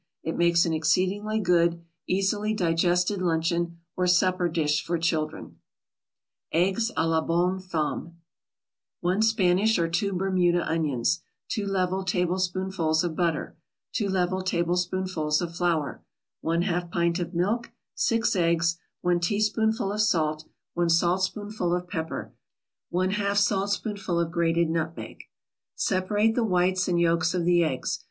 It makes an exceedingly good, easily digested luncheon or supper dish for children. EGGS A LA BONNE FEMME 1 Spanish or 2 Bermuda onions 2 level tablespoonfuls of butter 2 level tablespoonfuls of flour 1/2 pint of milk 6 eggs 1 teaspoonful of salt 1 saltspoonful of pepper 1/2 saltspoonful of grated nutmeg Separate the whites and yolks of the eggs.